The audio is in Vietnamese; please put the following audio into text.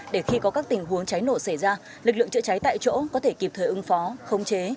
để khi có các tình huống cháy nổ xảy ra lực lượng chữa cháy tại chỗ có thể kịp thời ứng phó không chế